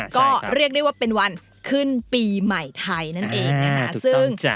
ก็เรียกได้ว่าเป็นวันขึ้นปีใหม่ไทยนั่นเองนะคะ